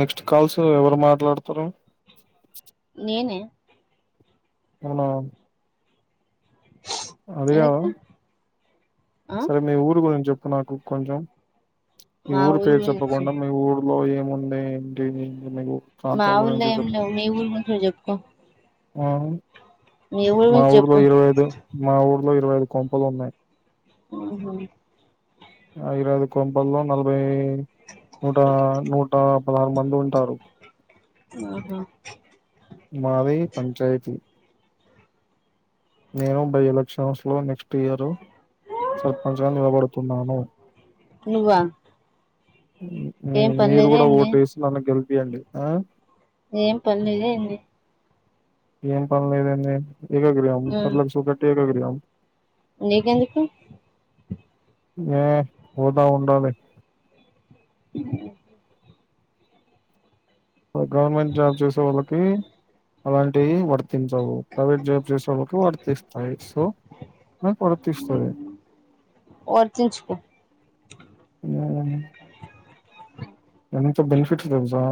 Next calls ఎవరు మాట్లాడుతారు నేనే అవునా అడిగావా ఎందుకు ఆ సరే మీ ఊరు గురించి చెప్పు నాకు కొంచెం మీ మా ఊరు పేరు గురించి చెప్పకుండా మీ ఊరు లో ఏముండే ఏంటి మీగు మా ఊళ్ళ ఏం లేవు మీ ఊరి గురించే చెప్పు ఆ మా ఊర్లో చెప్పు ఇరవై ఐదు మా ఊర్లో ఇరవై ఐదు కొంపలు ఉన్నాయి [unintelligible] ఆ ఐరాది కొంపల్లో నలభైఐదు నూట నూట పదహారు మంది ఉ [unintelligible] ఆహా మావై పంచాయితీ నేను బై ఎలక్షన్స్ లో నెక్స్ట్ ఇయరు సర్పంచ్ గా నిలబడుతున్నాను నువ్వా మీ ఏం మీరు పనిలేదా కూడా ఏంది ఓటు వేసి నన్ను గెలిపియండి ఆ ఏం పని లేదా ఏంది ఏం పని లేదా ఏంది ఏకగ్రహం ఏకాగిరియం ఉమ్ చదులకు చూపట్టి ఏకగిరియం నీకెందుకు ఏ హోద ఉండాలి ఉ గవర్నమెంట్ జాబ్ చేసే వాళ్ళకి అలాంటివి వర్తించవు ప్రైవేట్ జాబ్ చేసే వాళ్ళకి వర్తిస్తాయి సో నాకు వర్తిస్తాది వర్తించుకో ఉమ్ ఎంత బెనిఫిట్స్ తెలుసా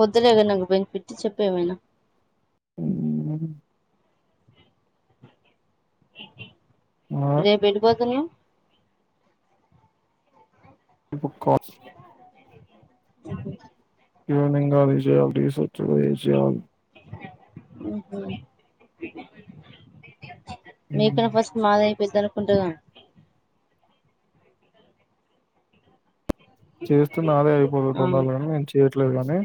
వొద్దులేే నాకు బెనిఫిట్స్ చెప్పు ఏమైనా [unintelligible] రేపు ఎటుపోతునవ్ క్ కస్ ఈవినింగ్ [unintelligible] [unintelligible] హ్మ్ ఉమ్ ఉమ్, మీకంటే ఫస్ట్ మాది ఇస్తాను అనుకుంటాగా చేస్తున్న నాదే అయిపో ఆ పొందాలి కానీ నేను చేయట్లేదు కాని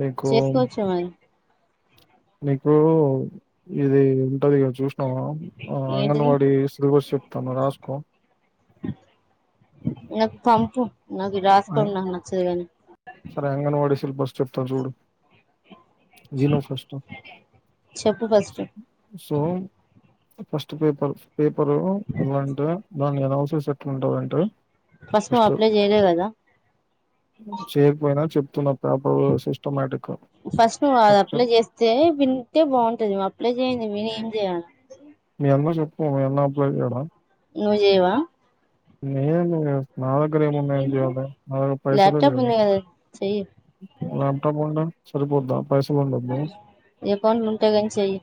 మీకు చేసుకోవచ్చు మరి మీకు ఇది ఉంటది గా చూస్ ఆ ఆ ఏంటిది అంగన్వాడి సుగుర్షతాను రాస్కో నాకు పంపు నాకు అం- రాసుకున్నాన [unintelligible] చెబుతా చూడు విను ఫస్ట్ చెప్పు first so first paper paper ఎలాంటే దాన్ని అవసరస్ ఎట్టా ఉంటుందంటే ఫస్ట్ నువ్వు అప్లై చేయలేదు కదా చేయకపోయినా చెప్తున్న పేపర్ సిస్టమేటిక్ ఫస్ట్ నువ్వు అది స్ట్రక్చర్ అప్లై చేస్తే వింటే బాగుంటది నువ్వు అప్లై చేయి నెనెమ్ చెయాలి [unintelligible] అప్పుడం నువ్ జేవా నేను మావట్ గ్గర ఏమున్నా ఏం చెయాలి పైసలే ల్యాప్టాప్ ఉంది కదా చెయ్యి ల్యాప్టాప్ ఉంట సరిపోద్దా పైసాల్ ఉండొద అకౌంట్లు ఉంటాయి కానీ చెయ్యి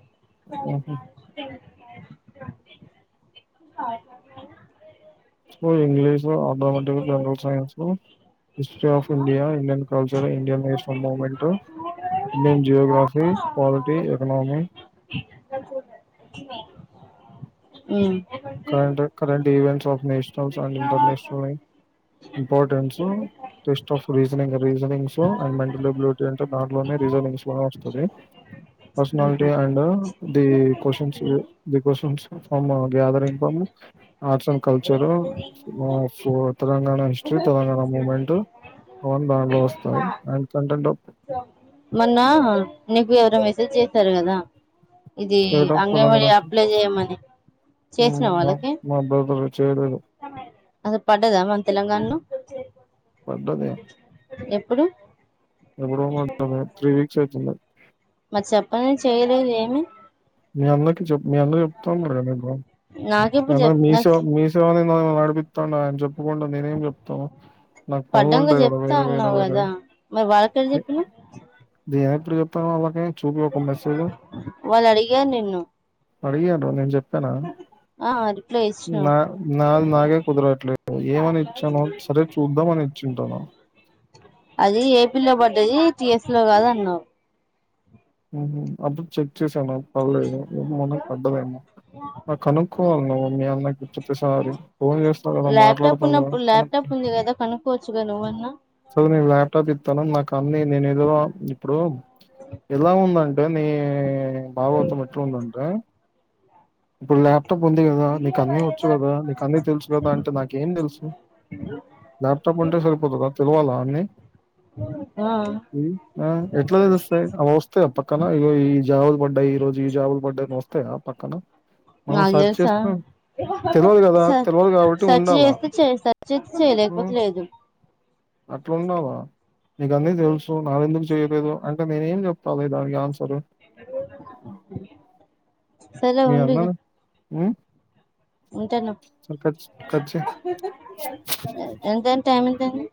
English automatic general science history of India Indian culture Indian national movement men geography polity economy um current current events of nationals and ఇంటర్నేషనల్ని importance test of reasoning reasonings and mental ability అంటే దాంట్లోనే reasonings బా వస్తుంది personality and the questions the questions from gathering arts and culture Telangana history Telangana movement అందా వస్తాయి అన చెంటంటప్పు మొన్న నీకు ఎవరో మెసేజ్ చేశారు కదా ఇది స్టేట్ ఆఫ్ అంగే మ తెలంగాణ అప్లై చెయమని మా మా బ్రదర్ చేయలేదు అది పడ్డదా మన తెలంగాణలో ఎప్పుడు ఎప్పుడు త్రీ వీక్స్ అవుతుంది మరి చెప్పం చెయలేదు ఏమి మీ అన్నకి చె మ అన్న చెప్తాం మ ఏ నాకెప్పుడు చెప్ మీషో నాకు మీషో అని నన్న నడిపిస్తాం ఆయన చెప్పుకుండా నేనేం చెప్తాను నాకు పడ్డంగా పగుంటాయి కదా చెప్తా వేరే వేరే అన్నావు వేరే కదా మరి వాళ్ళకెడ చెప్పినవ్ చె చూపి ఒక ఒక మెసజ వాళ్ళు అడిగారు నిన్ను అడిగను నేను చెప్పానా ఆ [unintelligible] నా నాది నాగే కుదరట్లేదు ఏమని ఇచ్చాను సరే చూద్దాం అని ఇచ్చింటాను అది ఏపీ లో పడ్డది టిఎస్ లో కాదు అన్నావు మ్ హు అప్పుడు చెక్ చేసాను పర్లేదు మనకు పడ్డదేమో ఆ కనుక్ కోవలి నువ్ మీ అన్నకు చెప్ సారి ల్యాప్టాప్ ఉన్నప్పుడు ల్యాప్టాప్ ఉంది కదా కనుక్కోవచ్చుగా నువ్వన్నా సో నేను ల్యాప్టాప్ ఇస్తాను నాకు అన్ని నేను ఏదో ఇప్పుడు ఎలా ఉంద అంటే నీ మావవత ఎట్లా వుంధి ఆంటే [unintelligible] చట్ట పొంది కదా నీక అన్నీ వచ్చు కదా నీక అన్నీ తెలుసు కదా అంటే నాకేం తెలుసు ల్యాప్టాప్ ఉంటే సరిపోతుదా తెల్వాల అన్నీ ఆ ఎట్లాద తెస్తాయి అవి వస్తాయి అ పక్కన ఇ ఈ జాబుల పడ్డ ఈ రోజు ఈ జాబుల పడ్డని వస్తాయి త పక్కన మనం సెర్చ్ చేస్తున్నాం తెలవదు కదా [unintelligible] స తెలవదు కాబట్టి సర్చ్ ఉండాలా చేస్తే చే సర్చ్ చేస్తే చేయలేకపోతేలేదు అట్లున్నావా నీక అన్నీ తెలుసు నాకు ఎందుకు చెయలేదు అంటే నేను ఏం చెప్తాల దానికి ఆన్సర్ సరే మీ అన్న ఉమ్ ఎంతేన కట్ చెయ్ ఎంతే టైమైంతైంది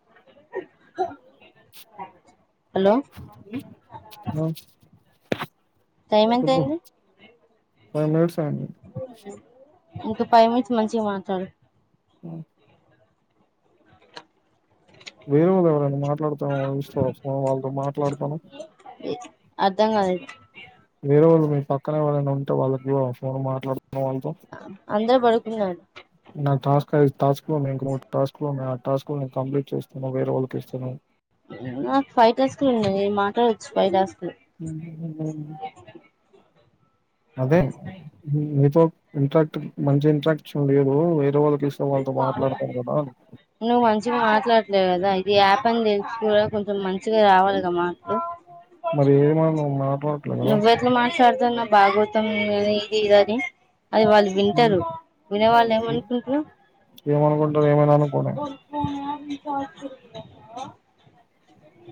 ఆ టైం ఎంత చెప్పు అయింది ఫైవ్ మినిట్స్ ఆఇంది ఇంకా పైవ్ మినిట్స్ మంచిగా మాట్లాడు ఆ వేరే వాళ్ళు ఎవరైనా మాట్లాడుతాను ఇస్తవ ఒకసారి వాళ్ళతో మాట్లాడుతాను అర్ధం కాలెద్ ఇరే వాళ్ళు మీ పక్కనేవారైనా ఉంటే వాళ్ళకి ఇవ్వవా ఫోన్ మాట్లాడ్ వాళ్ళతో అందరు పడుకున్నారు నా టాస్క్ ఐ టాస్క్ లున్నాయ్ ఇంకో ముడు టాస్క్ లోన్నాయ్ ఆ టాస్క్ లో నేను కంప్లీట్ చేస్త నువ్ వేరే వాళ్ళకి ఇస్తే నో నాకు ఫైవ్ టాస్క్ లు ఉన్నాయ్ నిను మాట్లాడొచ్చు ఫైవ్ టాస్క్ లు అదే నీతో ఇంట్రాక్ట్ మంచి ఇంట్రాక్షన్ లేరు వేరేవాళ్ళ నువ్వు మంచిగా మాట్లాడట్లేవ్ కదా ఈది యాప్ అని తెలిసి కూడా కొంచెం మంచిగా రావాలిగా మాటలు మరేది మరి నువ్వు మాట్లా నువ్వెట్ల మాట్లాడతాన్నవ్ భాగోతం మ్ ఇది అది అది వాళ్ళు వింటారు వినే వాళ్ళు ఏమనుకుంటరు ఏమనుకుంటారు ఏమైనా అనుకోని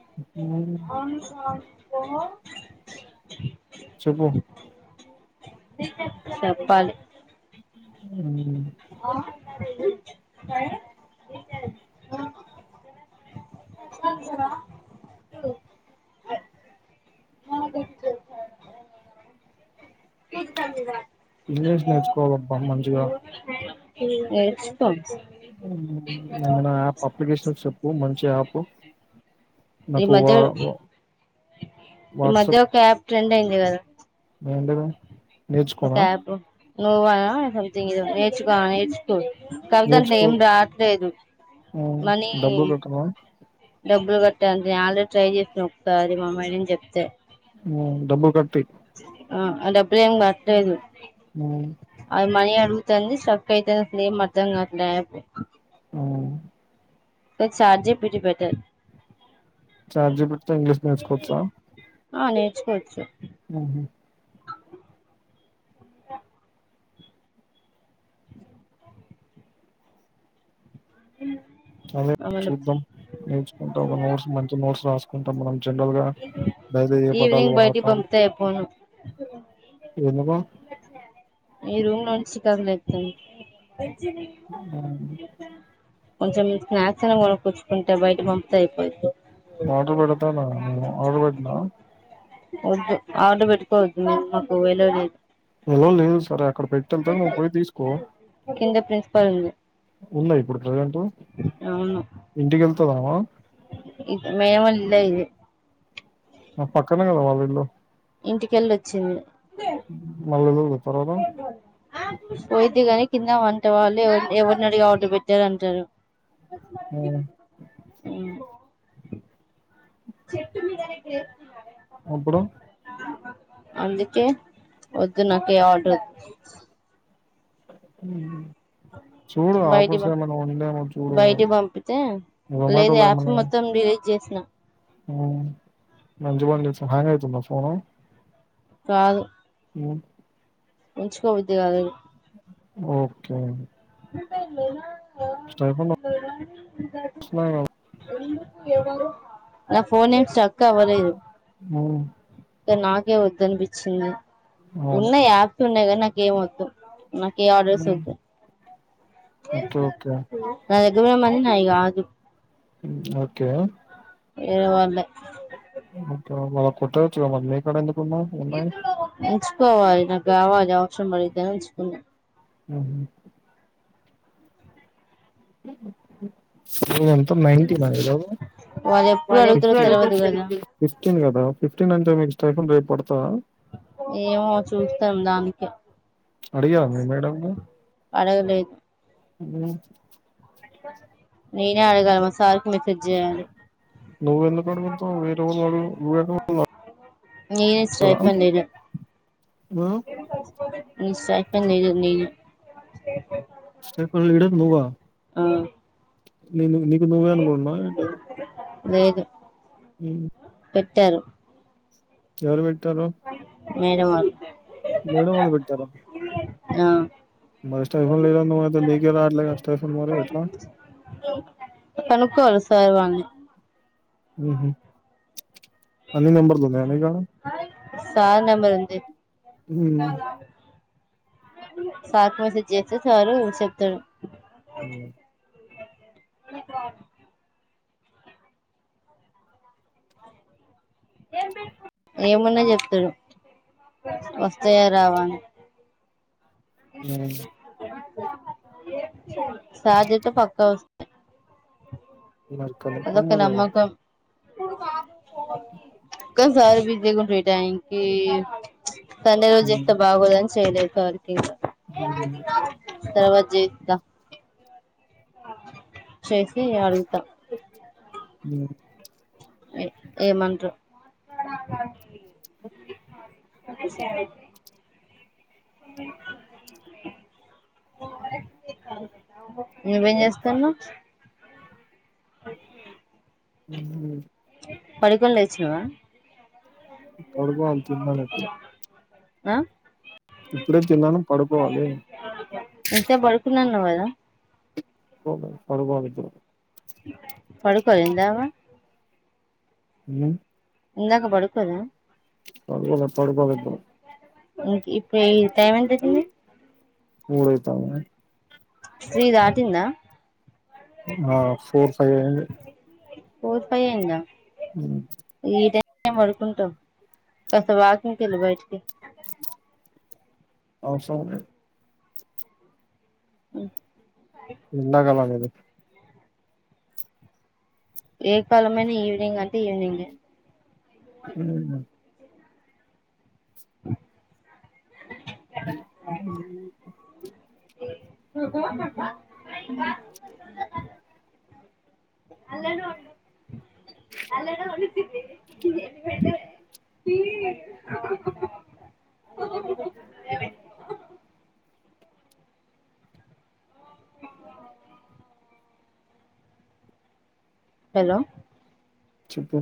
[unintelligible] చెప్పు చెప్పాలి హుమ్ [unintelligible] [unintelligible] [unintelligible] ఇంగ్లీష్ నేర్చుకోవాలబ్బా మంచిగా నేర్ ఏమన్న యాప్ అప్లికేషన్స్ చెప్ ప్పు మంచి యాప్ ఈ నాకు మధ్య వా వ్ ఈ మధ్య ఒక యాప్ ట్రెండ్ అయింది కదా ఏంటిది నేర్చుకోనా నువ్వా సమ్థింగ్ ఏదో నేర్చుకో ఆ నేర్చుకో కాపోతే దాంట్లో నేర్చుకో ఎం రాట్లేదు మనీ డబ్బులు కట్టనా డబ్బులు కట్టా అంతే ఆల్రెడీ ట్రై చేసినా ఒకసారి మా మేడమ్ చెప్తే ఆ డబ్బు కట్టి ఆ డబ్బులేం కట్లేదు అది మనీ అడు గుతుంది స్ట్రక్ అయితాంది అసలు ఏం అర్థం కాట్లే యాప్ అవున గ చాట్ జిపిటి బెటర్ చాట్ జిపిటితొ ఇంగ్లీష్ నేర్చుకోవచ్చా ఆ నేర్చుకోవచ్చు ఆహ అదే మళ్ళ చూద్దాం నేర్చుకుంటా ఒక నోట్స్ మంచి నోట్స్ రాసుకుంటా మనం జనరల్ గా డైలీ ఏ పదాలు ఈవినింగ్ బయటికి వాడుతాం పంపితే అయిపోను ఎందుకు ఈ రూమ్ లో ఉండి చికాకు లెత్తాంది అవును కొంచెం స్నాక్స్ అన్న కొనుకోచుకుంట బయటకి పంపుతే అయిపోయిది ఆర్డర్ పెడతానా ఆర్డర్ బెట్నా వద్దు ఆర్డర్ పెట్టుకోవద్దు మ్ మాకు అలో లేదు అలో లేదు సరే అక్కడ పెట్టి ఎల్తాను నువ్వు పోయి తీసుకో కింద ప్రిన్సిపల్ ఉంది ఉందా ఇప్పుడు ప్రజెంట్ ఇంటికెళ్తున్నవ ఇది మేడమ్ వాల ఇల్లే ఇది మాకు పక్కనే కదా వాళ్ళిళ్ళు ఇంటికెళ్ళొచ్చింది మళ్ళ సూడు ఆ పోయిద్ది కానీ కింద వంట వాల్లే ఎవరినడిగి ఆర్డర్ పెట్టినావ్ అంటారు అవునా అప్పుడు అందుకే వద్దు నాకు ఏ ఆర్డర్ వద్ హుమ్ హు బయటికి పం బయటి పంపితే లేదు జొమాటోలో యాప్స్ మొత్తం డిలీ చేసిన హుమ్ మంచి పని చేసావ్ హ్యాంగ్ అవుతుందా ఫోను కాదు ఉ ఉంచుకోబుద్ది కాలేదు ఓకే స్మైల్ రో నా ఫోన్ ఏమ్ స్ట్రక్ అవలేదు అవును నాకే వద్దు అనిపిచ్చింది ఉన్నాయి యాప్స్ ఉన్నాయి కనీ నాకేం వద్దు నాకు ఏ ఆర్డర్స్ ఒద్దు ఓకే ఓకే నా దగ్గర [unintelligible] నాయ్ గాదు ఓకే వేరే వాళ్లే ఇంకా మల కుట్టొచ్చుగా మరి మీ కాడ్ ఎందుక్ ఉంచుకోవాలి నాకు కావాలి అవసరం బడిద్దని ఉంచుకున్నా హ్మ్ హు సర్లెండి మొత్తం నైటీన్ నా ఈరోజు వాళ్ళు ఎప్పుడు అడుగుతారో తెలవదు కదా ఫిఫ్టీన్ కదా ఫిఫ్టీన్ అంటే మీకు స్టైఫన్ రేపు పడతదా ఏమో చూస్తాం దానికే అడిగావ మీ మేడం ని అడగలేదు నేనే అడగలి మా సార్ నువ్వెందుకు అడుగుతావ్ వేరే వాళ్లు నువ్ నేన్నే స్ట్రైపండ్ ని ఆ మిస్సయిపోయింది నీళ్ళు నీళ్ళు స్టైఫన్ నువ్వా ఆ నిన్ను నీకు నువ్వే అనుకుంటున్నావా ఏంటి లేదు మ్ టెల్ ఎవరు బెట్టారు మేడం వాళ్ మేడం వాళ్ళు పెట్టారా ఆ మరి స్టైఫన్ లేదన్వవ్ గద మీకే రావట్లేగా స్టైఫన్ మరి ఎట్లా కోలో సార్వాన్ని ఉహు అన్ని నంబర్లు ఉన్నయ సార్ నంబర్ ఉంది ఉమ్ సార్ కి మెసేజ్ చేస్తే సారూ చెప్తడు ఊ [inaudible] ఏమన్న జెప్తడు వస్తాయా రావా అని ఊ సాధ్యత పక్కా వస్తయి మరి కనుక్కో అదొక మరి నమకం కని సార్ బిజీ గా ఉంటాడు ఈ టైమ్ కి సండే రోజ మ్. జెత్తే బాగోదారి చెయలే ఆది మ్. తర్వాజ జిత్త చేసి అడుగుతా లేదు ఏ ఏమంటవ్ ఉమ్ అదే ఒకే సేవంటి నువ్వేం చేస్తాన్నావ్ చెప్పు ఊ పడుకోనీలేచినవా పడుకోవాలే తిన్నాను ఇప్పుడే ఆ ఇప్పుడే తిన్నాను పడుకోవాలి ఇంతసేపు బడుకున్నాను నువ్వదా పడుకోవాలి ఇప్పుడు పడుకోలే ఇందావా మ్ ఇందాక పడుకోలేదా పడుకోలే పడుకోద ఇం ఇప్పుడు ఈ టైం ఎంత ఐతుంది మూడైతవా స్త్రీ దాటిందా ఆ ఫోర్ ఫైవ్ అయింది ఫోర్ ఫై ఐందా ఉ మేము పడుకుంటాం కాస్త వాకింగ్ కెళ్ళి బయటికి అవసరం లేదు ఉమ్ ఇందాగల లేదు ఏ కాలమైనా ఈవినింగ్ అంటే ఈవినింగ్ ఏ ఉమ్ హలో చెప్పు